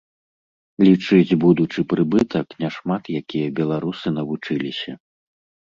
Лічыць будучы прыбытак няшмат якія беларусы навучыліся.